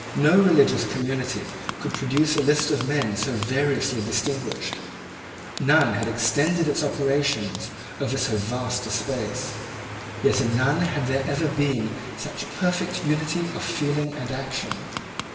No religious community could produce a list of men so variously distinguished: none had extended its operations over so vast a space; yet in none had there ever been such perfect unity of feeling and action.